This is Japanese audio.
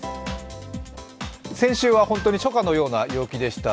先週は本当に初夏のような陽気でした。